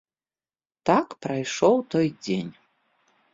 Так прайшоў той дзень.